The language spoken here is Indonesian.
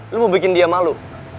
lo mau bikin dia malu